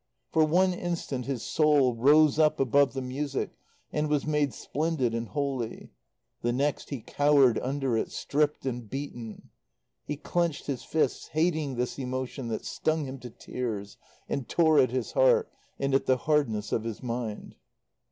For one instant his soul rose up above the music, and was made splendid and holy, the next he cowered under it, stripped and beaten. He clenched his fists, hating this emotion that stung him to tears and tore at his heart and at the hardness of his mind.